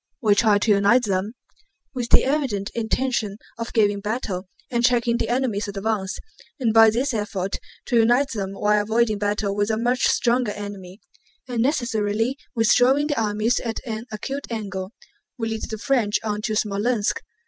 We tried to unite them, with the evident intention of giving battle and checking the enemy's advance, and by this effort to unite them while avoiding battle with a much stronger enemy, and necessarily withdrawing the armies at an acute angle—we led the French on to Smolénsk.